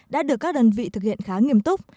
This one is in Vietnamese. đã được các đơn vị thực hiện khá nghiêm túc